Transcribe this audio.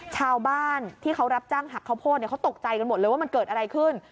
ชาวบ้านที่เขารับจ้างหักข้าวโพดเขาตกใจกันหมดเลยว่ามันเกิดอะไรขึ้น